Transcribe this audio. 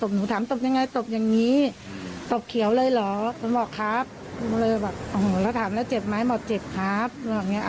ใช่ค่ะเด็กไม่อยากกลับไป